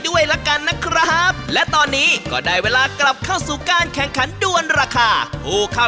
วันนี้ถึงเวลาขยับเข้าของโถรราคา